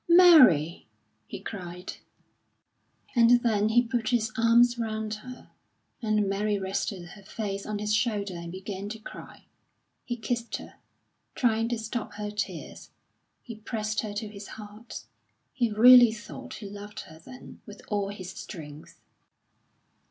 "Mary!" he cried. And then he put his arms round her, and Mary rested her face on his shoulder and began to cry. He kissed her, trying to stop her tears; he pressed her to his heart. He really thought he loved her then with all his strength.